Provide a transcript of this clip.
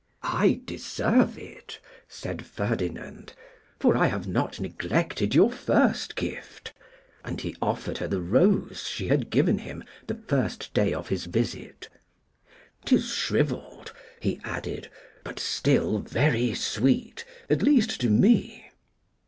'I deserve it,' said Ferdinand, 'for I have not neglected your first gift;' and he offered her the rose she had given him the first day of his visit. ''Tis shrivelled,' he added, 'but still very sweet, at least to me.